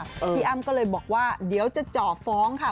พี่อ้ำก็เลยบอกว่าเดี๋ยวจะเจาะฟ้องค่ะ